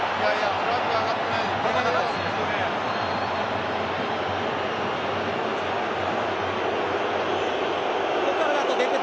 フラッグは上がってない。